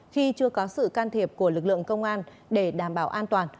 khi chưa có sự can thiệp của lực lượng công an để đảm bảo an toàn